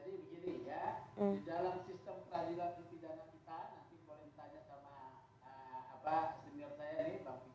di dalam sistem peradilan ketidakpitan